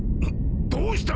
どうした！？